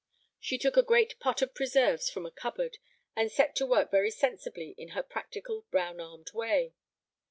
She took a great pot of preserves from a cupboard, and set to work very sensibly in her practical, brown armed way.